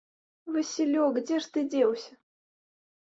Васілёк, дзе ж ты дзеўся?